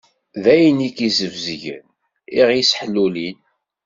D ayen i ken-isbezgen, i ɣ-isseḥlulin.